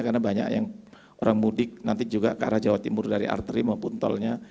karena banyak yang orang mudik nanti juga ke arah jawa timur dari arteri maupun tolnya